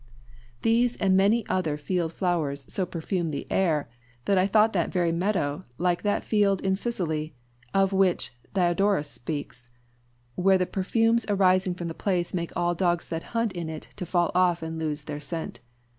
These, and many other field flowers, so perfumed the air, that I thought that very meadow like that field in Sicily, of which Diodorus speaks, where the perfumes arising from the place make all dogs that hunt in it to fall off and lose their scent.